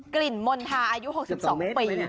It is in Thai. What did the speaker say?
กลิ่นมณฑาอายุ๖๒ปี